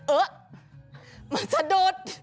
เอ๊ะสะดุด